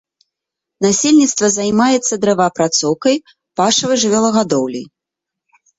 Насельніцтва займаецца дрэваапрацоўкай, пашавай жывёлагадоўляй.